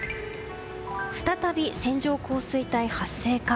再び線状降水帯発生か。